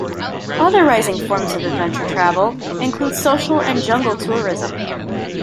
Other rising forms of adventure travel include social and jungle tourism.